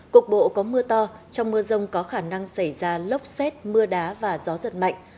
cục bộ có mưa to trong mưa rông có khả năng xảy ra lốc xét mưa đá và gió giật mạnh